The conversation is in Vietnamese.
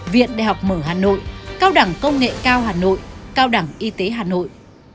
viện đại học mở hà nội cao đẳng công nghệ cao hà nội cao đẳng y tế hà nội